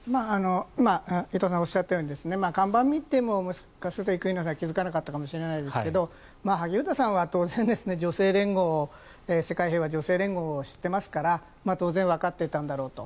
今、伊藤さんがおっしゃったように看板を見てももしかすると生稲さんは気付かなかったかもしれないですが萩生田さんは当然世界平和女性連合を知っていますから当然わかっていたんだろうと。